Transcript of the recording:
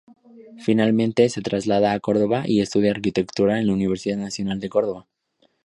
Finalmente se traslada a Córdoba y estudia Arquitectura en la Universidad Nacional de Córdoba.